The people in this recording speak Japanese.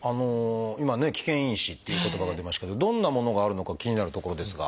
今ね「危険因子」っていう言葉が出ましたけどどんなものがあるのか気になるところですが。